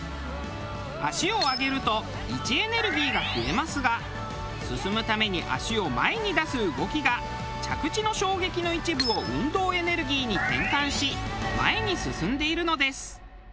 足を上げると位置エネルギーが増えますが進むために足を前に出す動きが着地の衝撃の一部を運動エネルギーに転換し前に進んでいるのです。